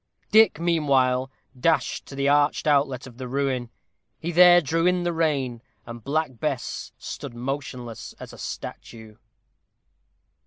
Dick, meanwhile, dashed to the arched outlet of the ruin. He there drew in the rein, and Black Bess stood motionless as a statue.